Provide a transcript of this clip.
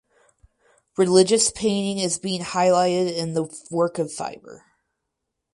Religious painting is being highlighted in the work of fiber.